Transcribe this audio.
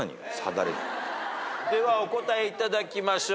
ではお答えいただきましょう。